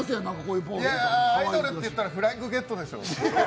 いや、アイドルっていったら「フライングゲット」でしょう。